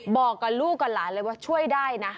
บอกกับลูกกับหลานเลยว่าช่วยได้นะ